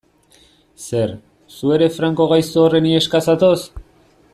Zer, zu ere Franco gaizto horren iheska zatoz?